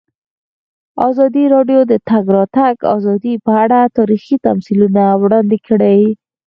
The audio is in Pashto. ازادي راډیو د د تګ راتګ ازادي په اړه تاریخي تمثیلونه وړاندې کړي.